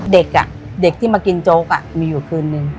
เด็กเด็กที่มากินโจ๊กมีอยู่คืนนึง